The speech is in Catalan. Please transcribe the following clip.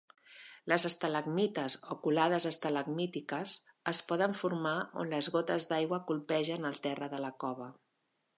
Les estalagmites o colades estalagmítiques es poden formar on les gotes d'aigua colpegen el terra de la cova.